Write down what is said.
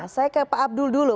saya ke pak abdul dulu